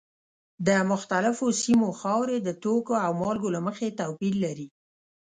د مختلفو سیمو خاورې د توکو او مالګو له مخې توپیر لري.